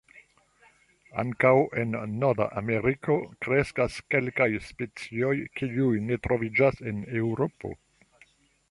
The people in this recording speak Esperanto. Ankaŭ en Nord-Ameriko kreskas kelkaj specioj kiuj ne troviĝas en Eŭropo.